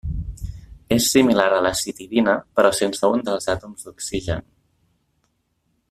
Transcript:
És similar a la citidina, però sense un dels àtoms d'oxigen.